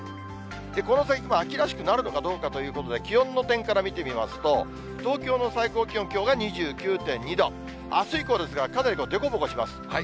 この先、秋らしくなるのかどうかということで、気温の点から見てみますと、東京の最高気温、きょうが２９．２度、あす以降ですが、かなり凸凹します。